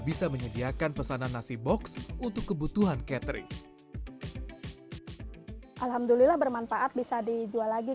bisa menyediakan pesanan nasi box untuk kebutuhan catering alhamdulillah bermanfaat bisa dijual lagi